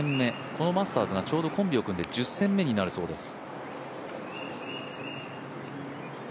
このマスターズがちょうどコンビを組んで１０戦目になるそうです。